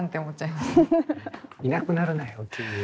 いなくなるなよっていう。